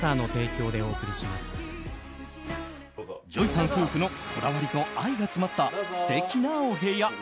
ＪＯＹさん夫婦のこだわりと愛が詰まった素敵なお部屋。